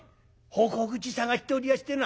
「奉公口探しておりやしてな」。